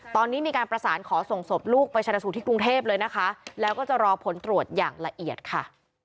ตอนนี้มีการประสานขอส่งศพลูกไปชนะสูตรที่กรุงเทพเลยนะคะแล้วก็จะรอผลตรวจอย่างละเอียดค่ะ